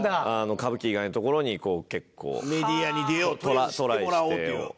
歌舞伎以外のところに結構トライして。